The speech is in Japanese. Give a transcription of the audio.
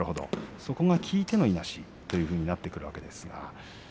そこが効いてのいなしということになっていくわけですか。